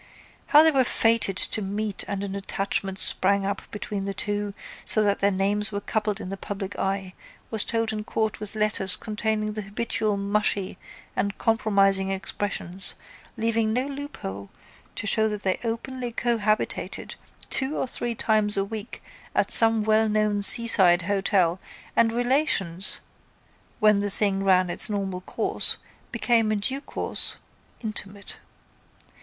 How they were fated to meet and an attachment sprang up between the two so that their names were coupled in the public eye was told in court with letters containing the habitual mushy and compromising expressions leaving no loophole to show that they openly cohabited two or three times a week at some wellknown seaside hotel and relations, when the thing ran its normal course, became in due course intimate.